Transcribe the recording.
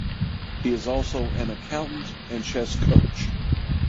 He is also an accountant and chess coach.